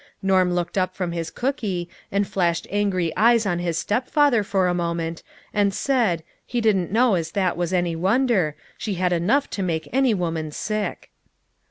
Norm looked up from his cookie, and flashed angry eyes on his step father for a mo ment, and said "he didn't know as that was any wonder. She had enough to make any woman sick."